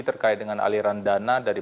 terkait dengan aliran dana dari